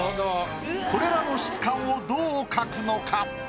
これらの質感をどう描くのか？